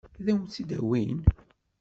Ad wen-tt-id-awin?